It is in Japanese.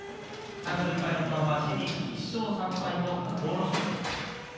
３勝１敗の玉鷲に１勝３敗の阿武咲です。